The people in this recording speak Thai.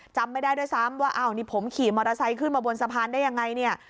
จำไม่ได้ด้วยซ้ำว่าอ้าวนี่ผมขี่มอเตอร์ไซค์ขึ้นมาบนสะพานได้ยังไงเนี่ย